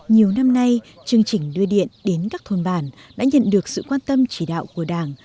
nhiều năm nay chương trình đưa điện đến các thôn bản đã nhận được sự quan tâm chỉ đạo của đảng